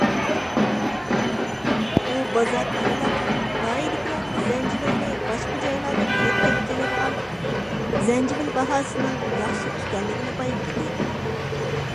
ئۇ بازار ئارىلاپ، ناھىيەدىكىلەرنىڭ زەنجىۋىلنى باشقا جايلاردىن يۆتكەپ كېلىدىغانلىقىنى، زەنجىۋىل باھاسىنىڭ ياخشى ئىكەنلىكىنى بايقىدى.